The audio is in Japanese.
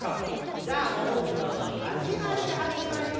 じゃあ「ももじろう」のはじまりはじまり。